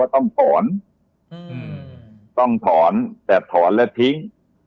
ต้องถอนต้องถอนแต่ถอนแล้วทิ้ง